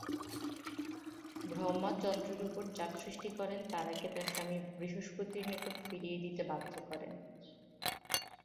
ব্রহ্মা চন্দ্রের উপর চাপ সৃষ্টি করেন তারাকে তাঁর স্বামী বৃহস্পতির নিকট ফিরিয়ে দিতে বাধ্য করেন।